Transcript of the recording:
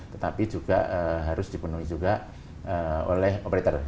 tetapi juga harus dipenuhi juga oleh operator